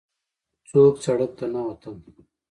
څوک سړک ته نه وتل.